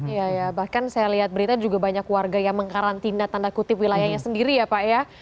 iya ya bahkan saya lihat berita juga banyak warga yang mengkarantina tanda kutip wilayahnya sendiri ya pak ya